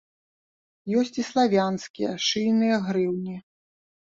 Ёсць і славянскія шыйныя грыўні.